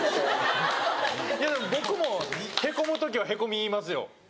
いやでも僕も凹む時は凹みますよ。